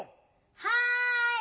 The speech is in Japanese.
はい！